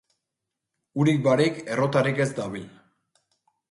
Urik barik errotarik ez dabil.